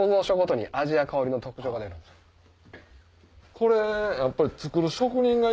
これやっぱり。